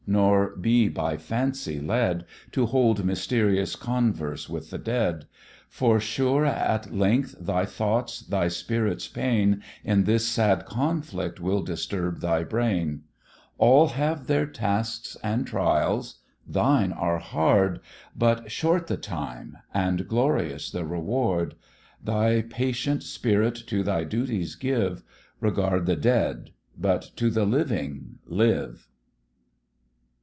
nor be by Fancy led, To hold mysterious converse with the dead; For sure at length thy thoughts, thy spirit's pain, In this sad conflict will disturb thy brain; All have their tasks and trials; thine are hard, But short the time, and glorious the reward; Thy patient spirit to thy duties give, Regard the dead, but to the living live.